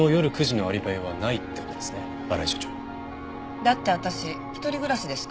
だって私一人暮らしですから。